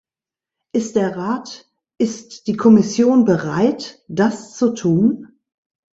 Ist der Rat, ist die Kommission bereit, das zu tun?